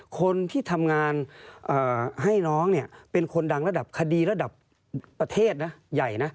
คนที่ทำงานให้น้องเนี่ยเป็นคนดังระดับคดีระดับประเทศนะใหญ่นะ